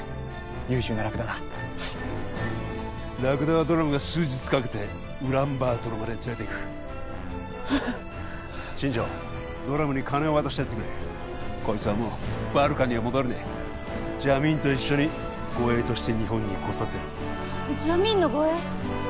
優秀なラクダだはいラクダはドラムが数日かけてウランバートルまで連れていく新庄ドラムに金を渡してやってくれこいつはもうバルカには戻れねえジャミーンと一緒に護衛として日本に来させるジャミーンの護衛？